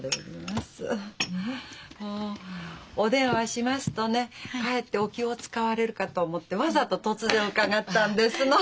お電話しますとねかえってお気を遣われるかと思ってわざと突然伺ったんですの。